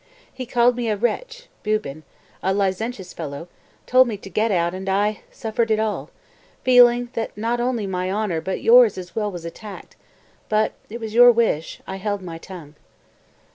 He called me a wretch (Buben), a licentious fellow, told me to get out and I suffered it all, feeling that not only my honor but yours as well was attacked; but, it was your wish, I held my tongue."